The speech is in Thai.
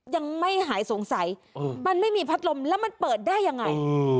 ยังไม่หายสงสัยมันไม่มีพัดลมแล้วมันเปิดได้ยังไง